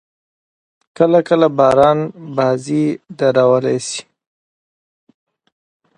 کله – کله باران بازي درولای سي.